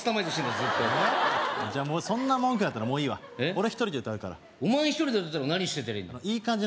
ずっとじゃあそんな文句言うんだったらもういいわ俺一人で歌うからお前一人で歌ってたら何してたらいいの？